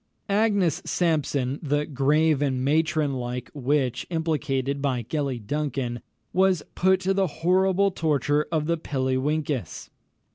Agnes Sampson, the "grave and matron like" witch implicated by Gellie Duncan, was put to the horrible torture of the pilliewinkis.